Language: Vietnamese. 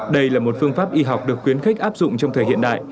đây là một phương pháp y học được khuyến khích áp dụng trong thời hiện đại